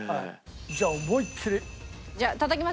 じゃあ思いっきり。